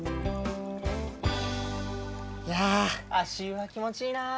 いや足湯はきもちいいなあ！